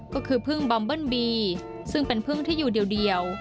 ก็คือพึ่งบอมเบิ้ลบีซึ่งเป็นพึ่งที่อยู่เดียว